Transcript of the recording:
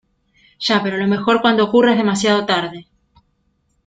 ya, pero a lo mejor , cuando ocurra , es demasiado tarde.